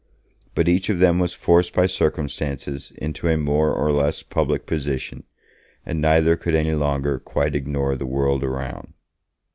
But each of them was forced by circumstances into a more or less public position, and neither could any longer quite ignore the world around.